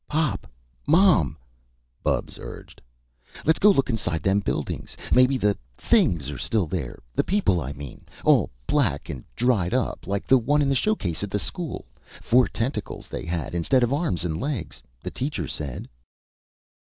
"Pop! Mom!" Bubs urged. "Let's go look inside them buildings! Maybe the things are still there! The people, I mean. All black and dried up, like the one in the showcase at school; four tentacles they had instead of arms and legs, the teacher said!"